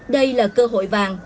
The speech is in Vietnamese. đây là cơ hội vàng